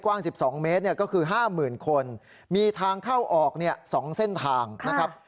ว่าง๑๒เมตรก็คือ๕๐๐๐คนมีทางเข้าออก๒เส้นทางนะครับ